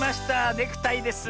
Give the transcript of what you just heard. ネクタイです。